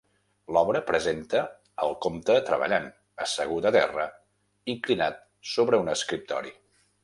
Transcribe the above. L'obra presenta al comte treballant, assegut a terra, inclinat sobre un escriptori.